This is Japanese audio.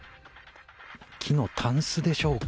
木のたんすでしょうか。